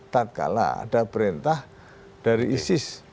tak kalah ada perintah dari isis